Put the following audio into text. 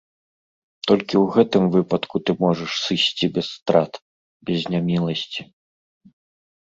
Толькі ў гэтым выпадку ты можаш сысці без страт, без няміласці.